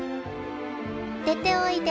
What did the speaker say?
出ておいで。